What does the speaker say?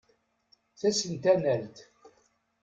Tasentanalt.